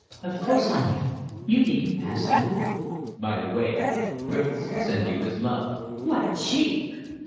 "Of course I am. You needn't ask that." "By the way, Griffiths sends you his love." "What cheek!"